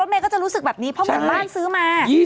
รถเมล์ก็จะรู้สึกแบบนี้เพราะมันเป็นบ้านซื้อมา